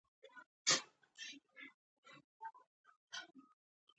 په ماسکو کې دی.